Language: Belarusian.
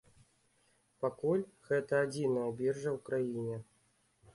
Пакуль гэта адзіная біржа ў краіне.